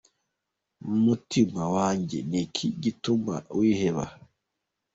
Mutima wanjye ni iki gitumye wiheba?